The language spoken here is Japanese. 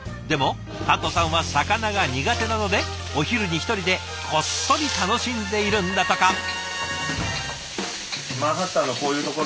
でもタッドさんは魚が苦手なのでお昼に１人でこっそり楽しんでいるんだとか。